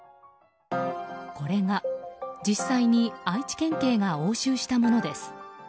これが実際に愛知県警が押収したものです。